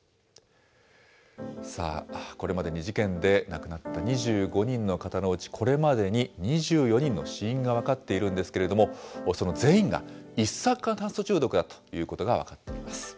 さあ、これまでに事件で亡くなった２５人の方のうち、これまでに２４人の死因が分かっているんですけれども、その全員が一酸化炭素中毒だということが分かっています。